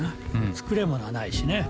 作れんものはないしね。